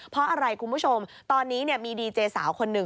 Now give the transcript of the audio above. เพราะอะไรคุณผู้ชมตอนนี้มีดีเจสาวคนหนึ่ง